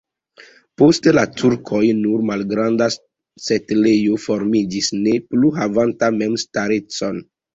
Post la turkoj nur malgranda setlejo formiĝis, ne plu havanta memstarecon.